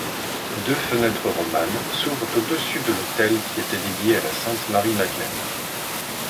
Deux fenêtres romanes s'ouvrent au-dessus de l'autel qui était dédié à sainte Marie-Madeleine.